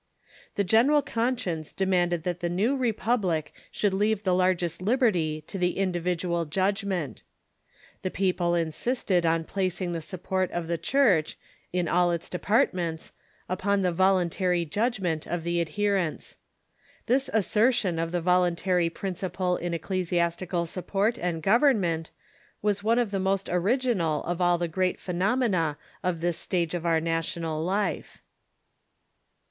The general conscience demanded that the new republic should leave the largest liberty to the individual judgment. The people insisted on placing the support of the Church, in all its departments, upon the voluntary judgment of the adherents. This assertion of the voluntary principle in ecclesiastical support and government was one of the most original of all the great phenomena of this stage of our na tional life.